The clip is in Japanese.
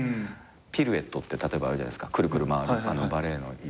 ピルエットってあるじゃないすかくるくる回るバレエの。